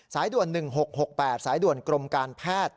ด่วน๑๖๖๘สายด่วนกรมการแพทย์